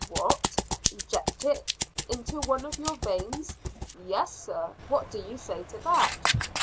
"What, injected into one of your veins?" "Yes, sir. What do you say to that?"